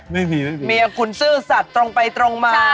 ไม่มีเมียคุณซื่อสัตว์ตรงไปตรงมา